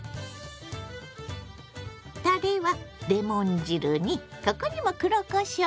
たれはレモン汁にここにも黒こしょう！